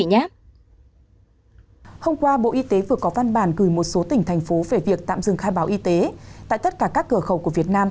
hôm qua bộ y tế vừa có văn bản gửi một số tỉnh thành phố về việc tạm dừng khai báo y tế tại tất cả các cửa khẩu của việt nam